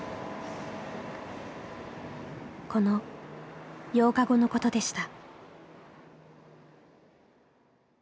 この８日後のことでした。